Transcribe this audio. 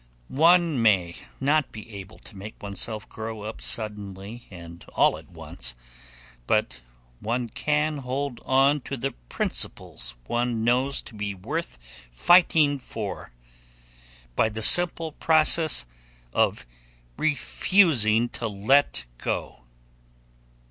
One may not be able to make oneself grow up suddenly and all at once, but one can hold on to the principles one knows to be worth fighting for, by the simple process of refusing to let go.